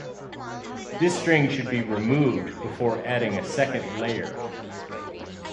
This string should be removed before adding a second layer.